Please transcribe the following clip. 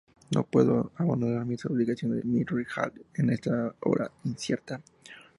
No puedo abandonar mis obligaciones en Mithril Hall, en esta hora incierta.